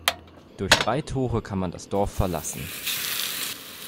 Durch drei Tore konnte man das Dorf verlassen.